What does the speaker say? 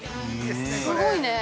すごいね。